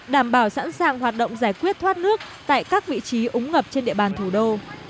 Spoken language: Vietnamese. đảm bảo sẵn sàng hoạt động giải quyết thoát nước tại các vị trí úng ngập trên địa bàn thủ đô